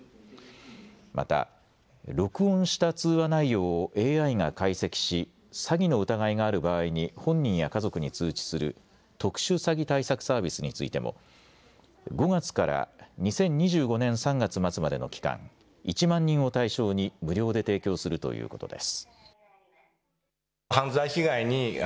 また録音した通話内容をＡＩが解析し、詐欺の疑いがある場合に本人や家族に通知する特殊詐欺対策サービスについても５月から２０２５年３月末までの期間、１万人を対象に無料で提供するということです。